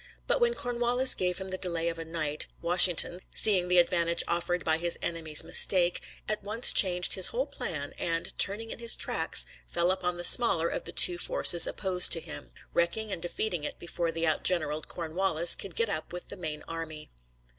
But when Cornwallis gave him the delay of a night, Washington, seeing the advantage offered by his enemy's mistake, at once changed his whole plan, and, turning in his tracks, fell upon the smaller of the two forces opposed to him, wrecking and defeating it before the outgeneraled Cornwallis could get up with the main army.